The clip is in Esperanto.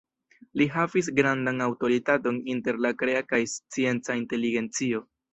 Li havis grandan aŭtoritaton inter la krea kaj scienca inteligencio.